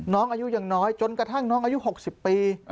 น้องอายุยังน้อยจนกระทั่งน้องอายุ๖๐ปี